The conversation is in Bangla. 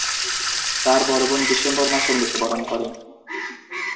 তার বড় বোন ডিসেম্বর মাসে মৃত্যুবরণ করে।